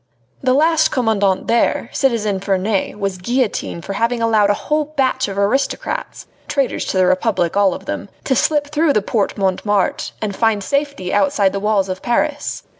The last commandant there, citizen Ferney, was guillotined for having allowed a whole batch of aristocrats traitors to the Republic, all of them to slip through the Porte Montmartre and to find safety outside the walls of Paris.